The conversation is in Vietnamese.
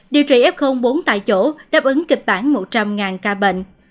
điều trị f bốn tại chỗ đáp ứng kịch bản một trăm linh ca bệnh